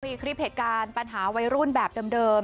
มีคลิปเหตุการณ์ปัญหาวัยรุ่นแบบเดิม